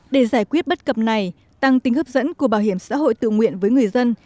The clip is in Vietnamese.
để giải quyết bất cập này tăng tính hấp dẫn của bảo hiểm xã hội tự nguyện với người dân